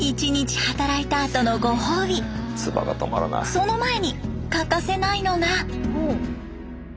その前に欠かせないのが。